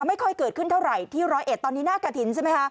ไม่ค่อยเกิดขึ้นเท่าไหร่ที่ร้อยเอ็ดตอนนี้หน้ากระถิ่นใช่ไหมคะ